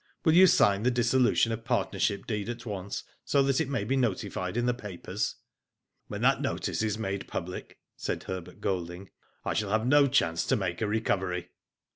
Will you sign the dissolution of partnership deed at once so that it may be notifr.^d in the papers?" '* When that notice is made public," said Herbert Golding. " I shall have no chance to make a recovery."